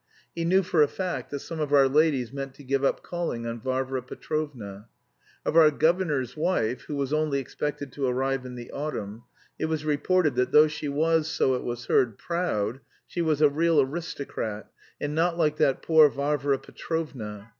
He knew for a fact that some of our ladies meant to give up calling on Varvara Petrovna. Of our governor's wife (who was only expected to arrive in the autumn) it was reported that though she was, so it was heard, proud, she was a real aristocrat, and "not like that poor Varvara Petrovna."